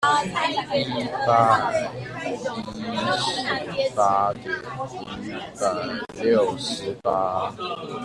一百一十八點一百六十八